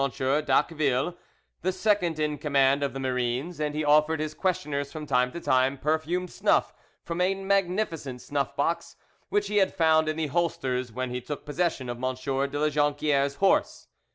d'Acqueville, the second in command of the marines; and he offered his questioners from time to time perfumed snuff from a magnificent snuffbox, which he had found in the holsters when he took possession of M. de La Jonquiere's horse.